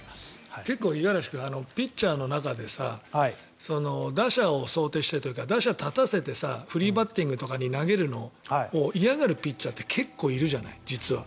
結構、五十嵐君ピッチャーの中で打者を想定してというか打者を立たせてフリーバッティングとかに投げるのを嫌がるピッチャーって結構いるじゃない、実は。